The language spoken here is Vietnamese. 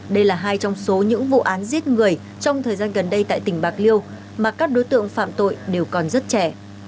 đây là hai trong số những vụ án giết người trong thời gian gần đây tại tỉnh bạc liêu mà các đối tượng phạm tội đều còn rất trẻ